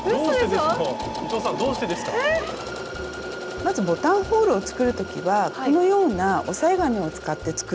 まずボタンホールを作る時はこのような押さえ金を使って作るんですね。